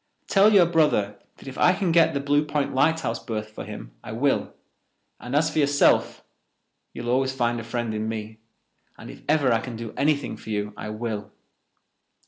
Tell your brother that if I can get the Blue Point lighthouse berth for him I will, and as for yourself, you will always find a friend in me, and if I can ever do anything for you I will."